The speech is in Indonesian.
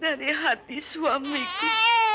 dari hati suamiku